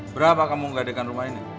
berapa kamu menggadekan rumah ini